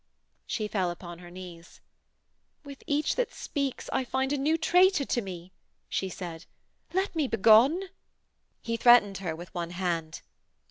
She fell upon her knees. 'With each that speaks, I find a new traitor to me,' she said. 'Let me begone.' He threatened her with one hand.